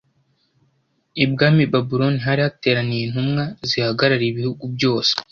Ibwami i Babuloni hari hateraniye intumwa zihagarariye ibihugu byose